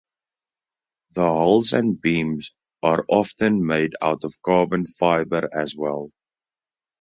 The hulls and beams are often made out of carbon fibre as well.